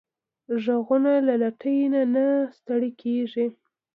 غوږونه له لټۍ نه نه ستړي کېږي